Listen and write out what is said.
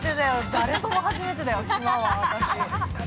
誰とも初めてだよ、島は、私。